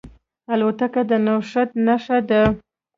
الوتکه د نوښت نښه ده.